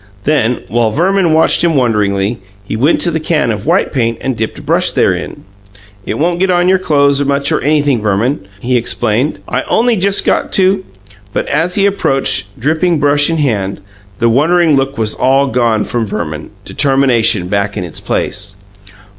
Then, while Verman watched him wonderingly, he went to the can of white paint and dipped a brush therein. "It won't get on your clo'es much, or anything, Verman," he explained. "I only just got to " But as he approached, dripping brush in hand, the wondering look was all gone from Verman; determination took its place.